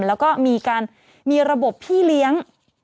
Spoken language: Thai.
แล้วก็มีระบบพี่เลี้ยง